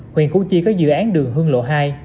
huyện củ chi có dự án đường hương lộ hai